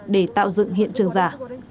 để tạo dựng hiện trường giả